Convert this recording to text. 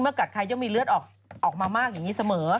กัดใครยังมีเลือดออกมามากอย่างนี้เสมอ